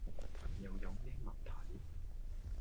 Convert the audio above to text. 又有咩問題?